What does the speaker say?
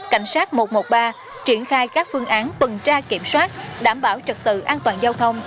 cảnh sát một trăm một mươi ba triển khai các phương án tuần tra kiểm soát đảm bảo trật tự an toàn giao thông